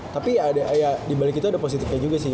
tapi dibalik itu ada positifnya juga sih